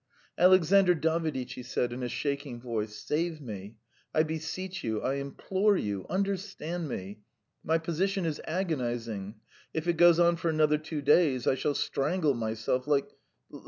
"Alexandr Daviditch," he said in a shaking voice, "save me! I beseech you, I implore you. Understand me! My position is agonising. If it goes on for another two days I shall strangle myself like